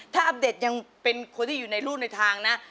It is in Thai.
ถ้าอัปเดตยังเป็นคนที่อยู่ในรูดในทางนะ